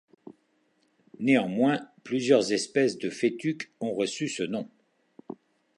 Néanmoins, plusieurs espèces de fétuque ont reçu ce nom.